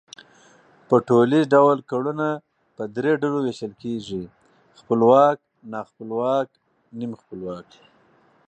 په ټوليز ډول گړونه په درې ډلو وېشل کېږي، خپلواک، ناخپلواک، نیم خپلواک